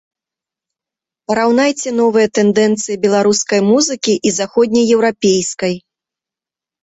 Параўнайце новыя тэндэнцыі беларускай музыкі і заходнееўрапейскай.